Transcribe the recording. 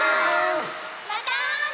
またあおうね！